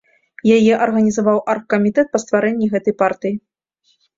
Яе арганізаваў аргкамітэт па стварэнні гэтай партыі.